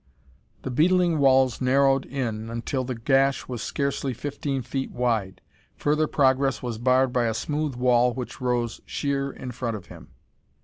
The beetling walls narrowed in until the gash was scarcely fifteen feet wide. Further progress was barred by a smooth wall which rose sheer in front of him.